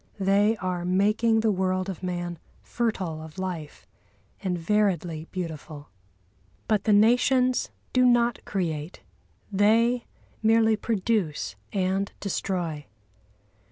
They are making the world of man fertile of life and variedly beautiful. But the nations do not create, they merely produce and destroy.